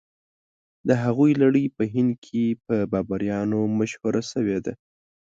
د هغوی لړۍ په هند کې په بابریانو مشهوره شوې ده.